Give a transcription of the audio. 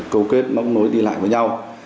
câu kết mắc nối đi lại với nhau